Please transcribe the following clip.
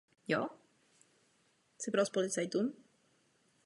V průběhu obou světových válek byly na ostrově Man zřízeny cizinecké internační tábory.